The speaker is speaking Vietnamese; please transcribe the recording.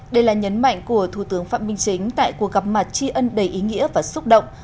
đây là nhấn mạnh của thủ tướng phạm minh chính tại cuộc gặp mặt tri ân đầy ý nghĩa và xúc động